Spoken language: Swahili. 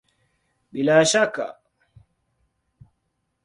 Bila ya shaka!